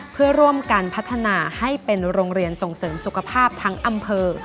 เพื่อร่วมกันพัฒนาให้เป็นโรงเรียนส่งเสริมสุขภาพทั้งอำเภอ